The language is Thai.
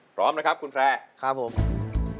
พร้อมนะครับคุณแฟร์ครับผม